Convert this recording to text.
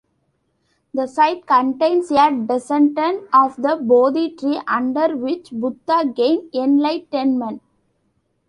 The site contains a descendant of the Bodhi Tree under which Buddha gained enlightenment.